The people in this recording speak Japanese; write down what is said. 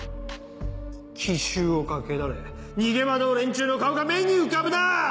奇襲をかけられ逃げ惑う連中の顔が目に浮かぶなぁ！